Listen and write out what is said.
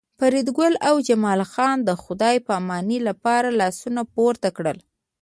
فریدګل او جمال خان د خدای پامانۍ لپاره لاسونه پورته کړل